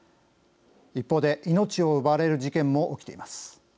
一方で、命を奪われる事件も起きています。